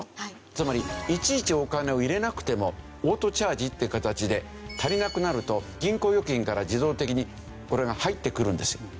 つまりいちいちお金を入れなくてもオートチャージって形で足りなくなると銀行預金から自動的にこれが入ってくるんですよ。